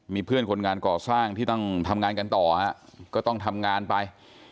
มีเพื่อนคนงานก่อสร้างที่ต้องทำงานกันต่อฮะก็ต้องทำงานไป